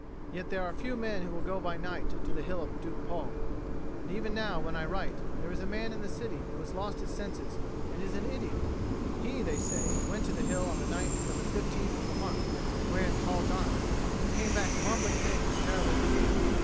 Yet there are few men who will go by night to the Hill of Duke Paul; and even now when I write, there is a man in the city who has lost his senses and is an idiot: he, they say, went to the hill on the night of the 15th of the month wherein Paul died, and came back mumbling things terrible to hear.